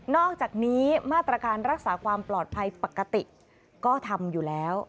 อกจากนี้มาตรการรักษาความปลอดภัยปกติก็ทำอยู่แล้ว